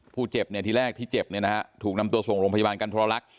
ผู้เจ็บที่แรกที่เจ็บถูกนำตัวส่งโรงพยาบาลการทรลลักษณ์